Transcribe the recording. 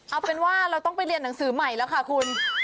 เอาเป็นว่าเราต้องไปเรียนหนังสือใหม่แล้วค่ะคุณ